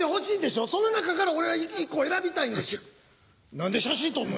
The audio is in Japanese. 何で写真撮んの？